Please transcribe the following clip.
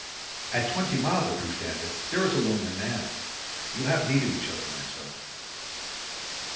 "At Twenty Mile," the priest added, "there is a lonely man. You have need of each other, my son."